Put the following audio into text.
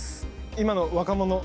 今の若者